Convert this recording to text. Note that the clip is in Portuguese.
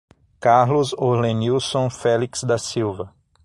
Carlos Orlenilson Felix da Silva